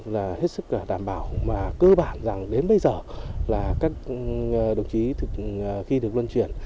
là hết sức đảm bảo và cơ bản rằng đến bây giờ là các đồng chí khi được luân truyền